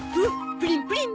プリンプリン。